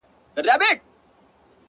o چي د صبر شراب وڅيښې ويده سه؛